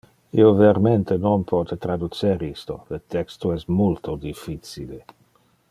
Io vermente non pote traducer isto; le texto es multo difficile.